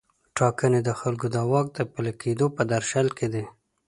ټاکنې د خلکو د واک د پلي کیدو په درشل کې دي.